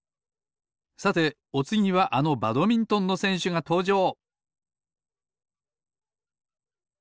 さておつぎはあのバドミントンのせんしゅがとうじょう！